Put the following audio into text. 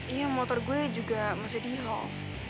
iya motor gue juga masih di hall